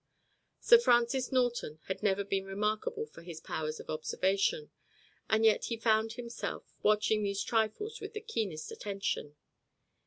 Sir Francis Norton had never been remarkable for his powers of observation, and yet he found himself watching these trifles with the keenest attention.